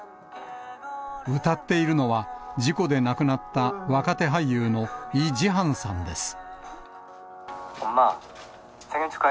歌っているのは、事故で亡くなった若手俳優のイ・ジハンさんです。